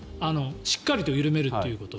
しっかりと緩めるということ。